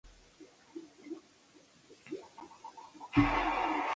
您已超速